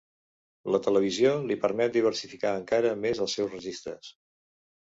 La televisió li permet diversificar encara més els seus registres.